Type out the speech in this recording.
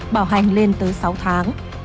bảo hành lên tới sáu tháng